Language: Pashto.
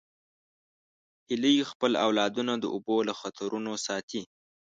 هیلۍ خپل اولادونه د اوبو له خطرونو ساتي